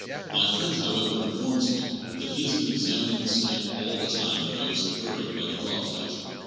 My friend, however, informs me that he has been examining the stamp all the time that I was diverted by the dog fight.